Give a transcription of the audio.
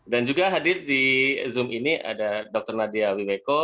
dan juga hadir di zoom ini ada dr nadia wiweko